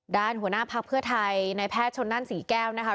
ด้านหัวหน้าภักษ์เพื่อไทยนายแพทย์ชนนั่นศรีแก้วนะครับ